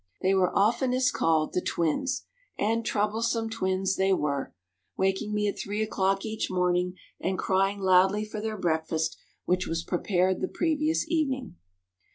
They were oftenest called "the twins," and troublesome twins they were, waking me at three o'clock each morning and crying loudly for their breakfast, which was prepared the previous evening.